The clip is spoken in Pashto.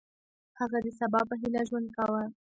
هغه د سبا په هیله ژوند کاوه.